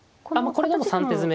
これでも３手詰め。